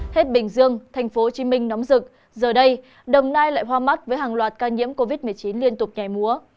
hết bình dương tp hcm nóng rực giờ đây đồng nai lại hoa mắt với hàng loạt ca nhiễm covid một mươi chín liên tục nhảy múa